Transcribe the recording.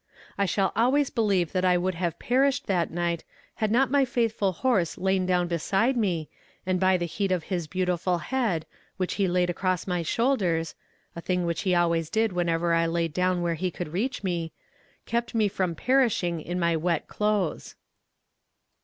I shall always believe that I would have perished that night, had not my faithful horse lain down beside me, and by the heat of his beautiful head, which he laid across my shoulders, (a thing which he always did whenever I lay down where he could reach me,) kept me from perishing in my wet clothes.